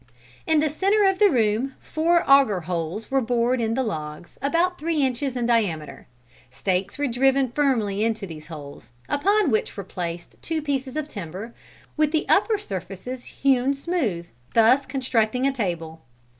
In the centre of the room, four augur holes were bored in the logs, about three inches in diameter. Stakes were driven firmly into these holes, upon which were placed two pieces of timber, with the upper surfaces hewn smooth, thus constructing a table.